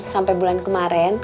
sampai bulan kemarin